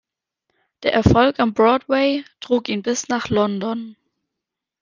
Der Erfolg am Broadway trug ihn bis nach London.